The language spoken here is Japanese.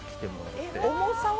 重さは？